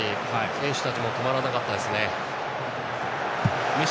選手たちも止まらなかったですね。